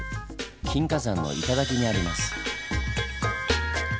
金華山の頂にあります。